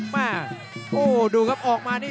มาดูครับออกมานี่